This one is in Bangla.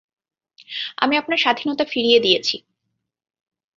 আমি আপনার স্বাধীনতা ফিরিয়ে দিয়েছি।